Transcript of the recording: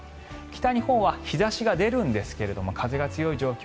北日本は日差しが出るんですが風が強い状況